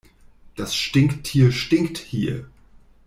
Das Stinktier stinkt hier.